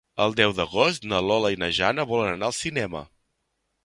El deu d'agost na Lola i na Jana volen anar al cinema.